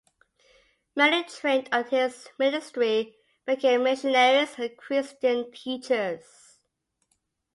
Many trained under his ministry became missionaries and Christian teachers.